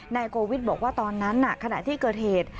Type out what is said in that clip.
นายโกวิทย์บอกว่าตอนนั้นขณะที่เกิดเหตุ